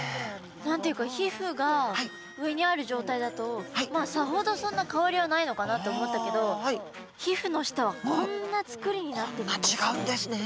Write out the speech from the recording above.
なんていうか皮膚が上にある状態だと、さほどそんなに変わりはないのかなと思ったけど、皮膚の下はこんな違うんですね。